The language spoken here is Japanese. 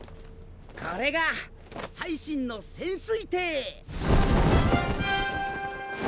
これが最新の潜水艇！